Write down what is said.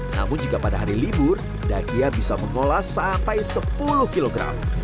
namun jika pada hari libur nadia bisa mengolah sampai sepuluh kg